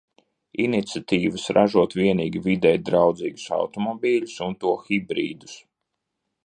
Iniciatīvas ražot vienīgi videi draudzīgus automobiļus un to hibrīdus.